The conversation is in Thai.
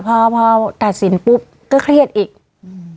พอพอตัดสินปุ๊บก็เครียดอีกอืม